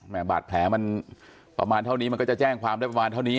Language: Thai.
บาดแผลมันประมาณเท่านี้มันก็จะแจ้งความได้ประมาณเท่านี้